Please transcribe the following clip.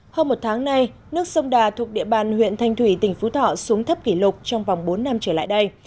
hơn một tháng nay nước sông đà thuộc địa bàn huyện thanh thủy tỉnh phú thọ xuống thấp kỷ lục trong vòng bốn năm trở lại đây